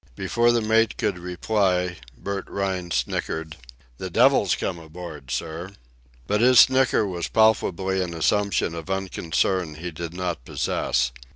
Before the mate could reply, Bert Rhine snickered: "The devil's come aboard, sir." But his snicker was palpably an assumption of unconcern he did not possess.